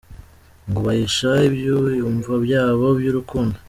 Ngo bahisha ibyiyumvo byabo by’urukundo,.